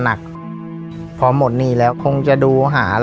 ปิดเท่าไหร่ก็ได้ลงท้ายด้วย๐เนาะ